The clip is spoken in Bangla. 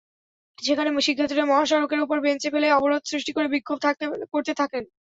সেখানে শিক্ষার্থীরা মহাসড়কের ওপর বেঞ্চ ফেলে অবরোধ সৃষ্টি করে বিক্ষোভ করতে থাকেন।